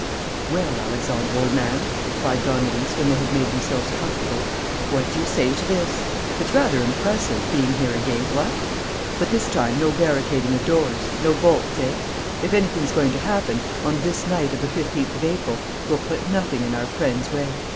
"Well, Alexandre, old man," cried Don Luis, when they had made themselves comfortable, "what do you say to this? It's rather impressive, being here again, what? But, this time, no barricading of doors, no bolts, eh? If anything's going to happen, on this night of the fifteenth of April, we'll put nothing in our friends' way.